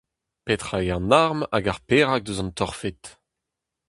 Petra eo an arm hag ar perag eus an torfed ?